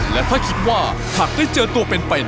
และถ้าคิดว่าหากได้เจอตัวเป็นไป